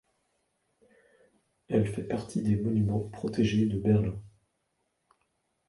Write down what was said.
Elle fait partie des monuments protégés de Berlin.